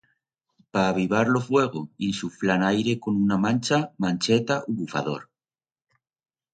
Pa avivar lo fuego, insuflan aire con una mancha, mancheta u bufador.